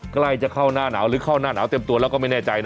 ใกล้จะเข้าหน้าหนาวหรือเข้าหน้าหนาวเต็มตัวแล้วก็ไม่แน่ใจนะ